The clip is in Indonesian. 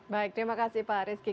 baik terima kasih pak rizky